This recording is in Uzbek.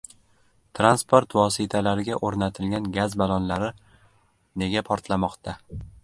Transport vositalariga o‘rnatilgan gaz balonlari nega portlamoqda?